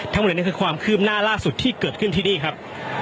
ทั้งหมดนี้คือความคืบหน้าล่าสุดที่เกิดขึ้นที่นี่ครับ